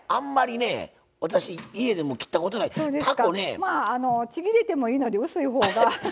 まあちぎれてもいいので薄いほうが。